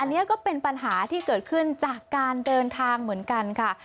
อันนี้ก็เป็นปัญหาที่เกิดขึ้นจากการเดินทางเหมือนกันค่ะ